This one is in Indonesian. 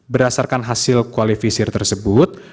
berdasarkan hasil qualifisir tersebut